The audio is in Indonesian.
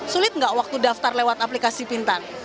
sulit nggak waktu daftar lewat aplikasi pintar